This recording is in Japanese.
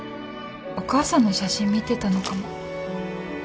お母さんの写真見てたのかも。